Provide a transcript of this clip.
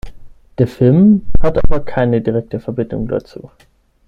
Der Film hat aber keine direkte Verbindung dazu.